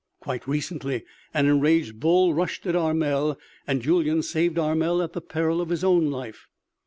Quite recently an enraged bull rushed at Armel and Julyan saved Armel at the peril of his own life.